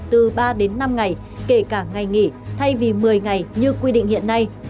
từ ba đến năm ngày kể cả ngày nghỉ thay vì một mươi ngày như quy định hiện nay